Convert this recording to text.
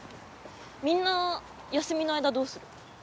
みんな休みの間どうする？